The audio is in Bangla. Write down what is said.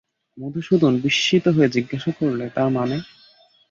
মধুসূদন বিস্মিত হয়ে জিজ্ঞাসা করলে, তার মানে?